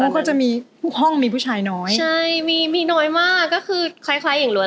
อ๋อก็จะมีห้องมีผู้ชายน้อยใช่มีมีน้อยมากก็คือคล้ายคล้ายหญิงล้วน